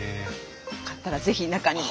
よかったら是非中にも。